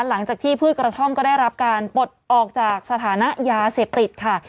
หลังจากที่พืชกระท่อมก็ได้รับการปลดออกจากสถานะยาเสพติดค่ะ